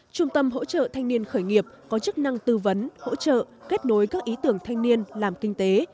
trung tâm hỗ trợ thanh niên khởi nghiệp có chức năng tư vấn hỗ trợ kết nối các ý tưởng thanh niên làm kinh tế